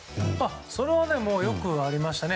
それはよくありましたね。